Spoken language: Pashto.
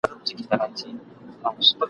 چي شاهداني مي د شیخ د جنازې وي وني !.